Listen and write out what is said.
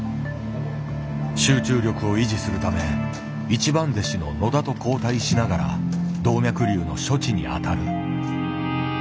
集中力を維持するため一番弟子の野田と交代しながら動脈瘤の処置に当たる。